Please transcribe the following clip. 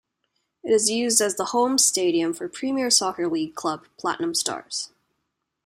It is used as the home stadium for Premier Soccer League club Platinum Stars.